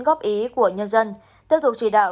góp ý của nhân dân tiếp tục chỉ đạo